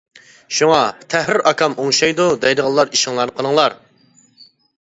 شۇڭا، «تەھرىر ئاكام ئوڭشايدۇ» دەيدىغانلار ئىشىڭلارنى قىلىڭلار!